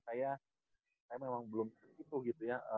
saya memang belum itu gitu ya